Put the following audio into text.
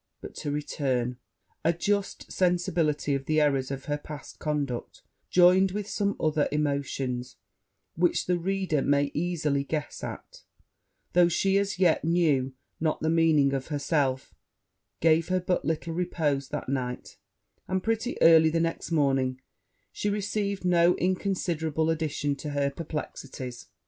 But to return. A just sensibility of the errors of her past conduct, joined with some other emotions, which the reader may easily guess at, though she as yet knew not the meaning of herself, gave her but little repose that night; and, pretty early the next morning, she received no inconsiderable addition to her perplexities.